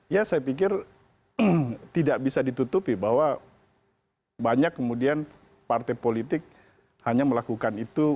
ya saya pikir tidak bisa ditutupi bahwa banyak kemudian partai politik hanya melakukan itu